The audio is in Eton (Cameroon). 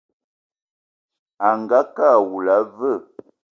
Angakë awula a veu?